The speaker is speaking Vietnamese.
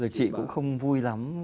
rồi chị cũng không vui lắm